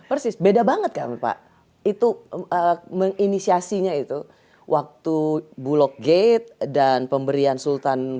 persis beda banget kami pak itu menginisiasinya itu waktu bulog gate dan pemberian sultan